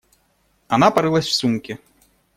Она порылась в сумке.